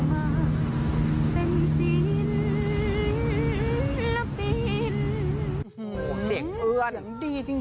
อย่างดีจริง